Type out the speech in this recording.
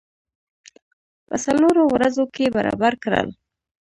په څلورو ورځو کې برابر کړل.